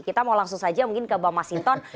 kita mau langsung saja mungkin ke bang masinton